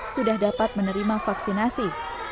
sudah dapat menerima vaksinasi